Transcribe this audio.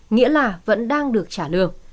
nghĩa là vẫn đang được trả